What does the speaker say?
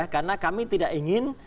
karena kami tidak ingin